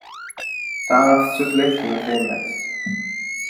Taɛṛabt d tutlayt-inu tayemmat.